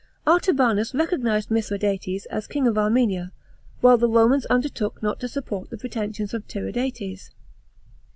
Artahanus recognised Mithradates as king of Armenia, while the Romans undertook not to support the pretensions of Tiridates.